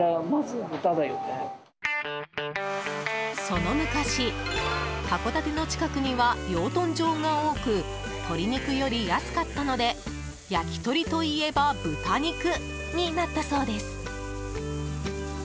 その昔、函館の近くには養豚場が多く鶏肉より安かったのでやきとりといえば豚肉！になったそうです。